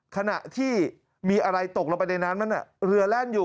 ขณะที่มีอะไรตกลงไปในนั้นมันเรือแล่นอยู่